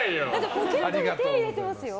ポケットに手入れてますよ。